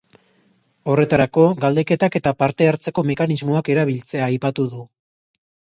Horretarako, galdeketak eta parte-hartzeko mekanismoak erabiltzea aipatu du.